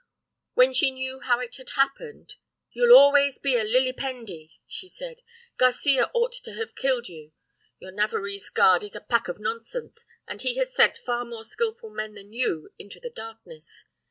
"When she knew how it had all happened "'You'll always be a lillipendi,' she said. 'Garcia ought to have killed you. Your Navarrese guard is a pack of nonsense, and he has sent far more skilful men than you into the darkness.